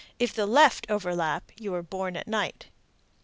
If the left overlap, you were born at night.